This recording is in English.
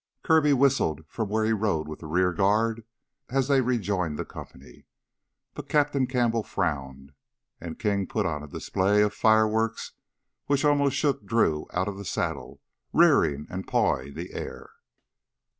Kirby whistled from where he rode with the rear guard as they rejoined the company. But Captain Campbell frowned. And King put on a display of fireworks which almost shook Drew out of the saddle, rearing and pawing the air.